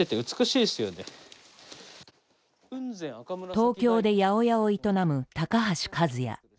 東京で八百屋を営む高橋一也。